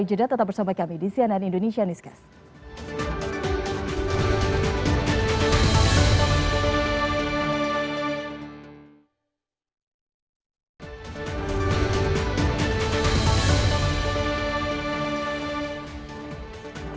jodoh tetap bersama kami di sian and indonesian discuss